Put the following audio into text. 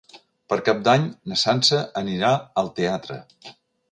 Per Cap d'Any na Sança anirà al teatre.